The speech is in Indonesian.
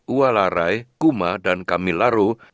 ualarai kuma dan kamilaru